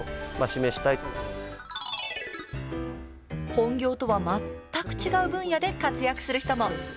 本業とは全く違う分野で活躍する人も。